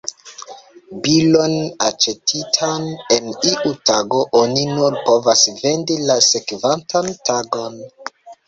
Bilon aĉetitan en iu tago, oni nur povas vendi la sekvantan tagon.